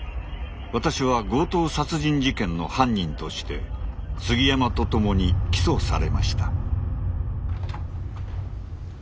私は強盗殺人事件の犯人として杉山と共に起訴されました。